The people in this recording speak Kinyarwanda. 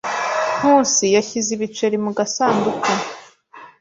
Nkusi yashyize ibiceri mu gasanduku.